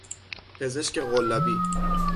پزشک قلابی